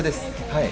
はい。